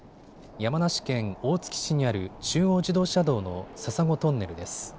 山梨県大月市にある中央自動車道の笹子トンネルです。